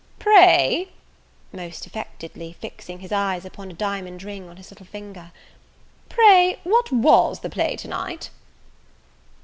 Pray," most affectedly fixing his eyes upon a diamond ring on his little finger, "pray what was the play to night?"